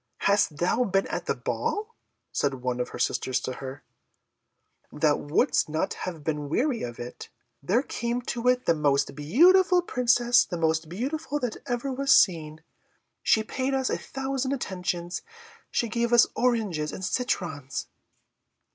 "Hadst thou been at the ball," said one of her sisters to her, "thou wouldst not have been weary of it. There came to it the most beautiful Princess the most beautiful that ever was seen. She paid us a thousand attentions. She gave us oranges and citrons."